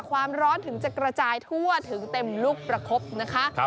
ความร้อนถึงจะกระจายทั่วถึงเต็มลูกประคบนะคะ